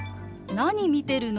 何見てるの？